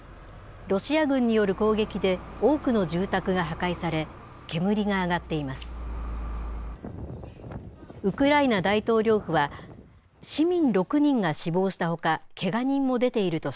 ロシア軍による攻撃で、多くの住宅が破壊され、煙が上がっています。